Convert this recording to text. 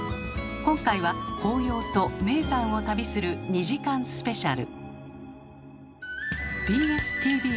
今回は紅葉と名山を旅する２時間スペシャル。